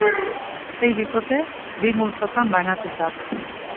Sei bikote bi multzotan banatuta.